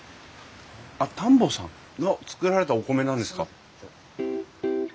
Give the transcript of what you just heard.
あっ田んぼさん。が作られたお米なんですか？